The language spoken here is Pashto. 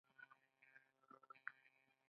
د فراه دوړې له کوم ځای راځي؟